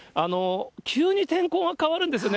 急に天候が変わるんですよね。